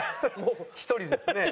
１人ですね。